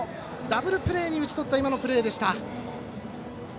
ダブルプレーに打ち取ったプレーでした。